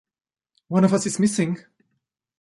One of us is missing.